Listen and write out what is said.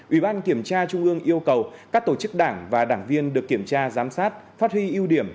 ủy ban kiểm tra trung ương yêu cầu các tổ chức đảng và đảng viên được kiểm tra giám sát phát huy ưu điểm